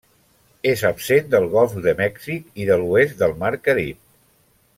És absent del golf de Mèxic i de l'oest del mar Carib.